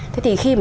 thế thì khi mà